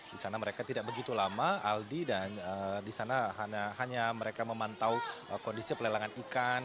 di sana mereka tidak begitu lama aldi dan di sana hanya mereka memantau kondisi pelelangan ikan